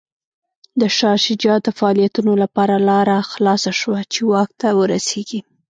د شاه شجاع د فعالیتونو لپاره لاره خلاصه شوه چې واک ته ورسېږي.